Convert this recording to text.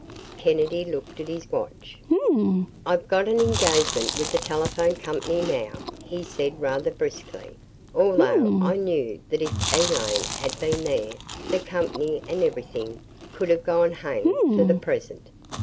Kennedy looked at his watch. "I've got an engagement with the telephone company, now," he said rather briskly, although I knew that if Elaine had been there the company and everything could have gone hang for the present.